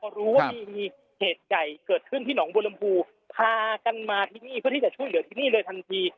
พอรู้ว่ามีเหตุใหญ่เกิดขึ้นที่หนองบัวลำพูพากันมาที่นี่เพื่อที่จะช่วยเหลือที่นี่เลยทันที